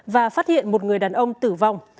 và phát hiện một người đàn ông tử vong